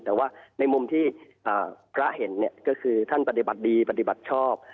แต่ว่าในมุมที่พระเห็นก็คือท่านปฏิบัติดีปฏิบัติชอบ